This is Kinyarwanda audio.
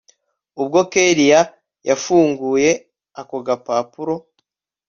ubwo kellia yafunguye ako gapapuro